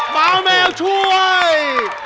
หมาน้องแมวช่วย